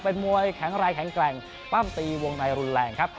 เป็นมวยแข็งแรงแข็งแกร่งปั้มตีวงในรุนแรงครับ